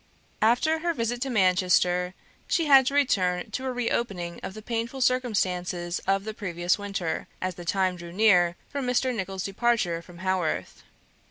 After her visit to Manchester, she had to return to a re opening of the painful circumstances of the previous winter, as the time drew near for Mr. Nicholl's departure from Haworth.